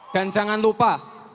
dan jangan lupa